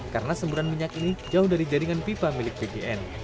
karena semburan minyak ini jauh dari jaringan pipa milik bpn